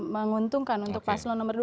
menguntungkan untuk paslon nomor dua